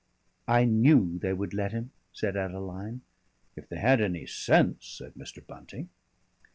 "I knew they would let him," said Adeline. "If they had any sense," said Mr. Bunting.